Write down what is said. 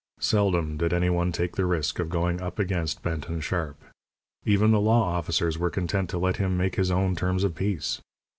Seldom did any one take the risk of going "up against" Benton Sharp. Even the law officers were content to let him make his own terms of peace.